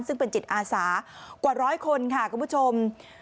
ซึ่งเป็นจิตอาสากว่าร้อยคนค่ะคุณผู้ชม